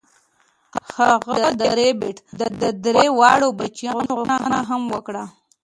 هغه د ربیټ د درې واړو بچیانو غوښتنه هم وکړه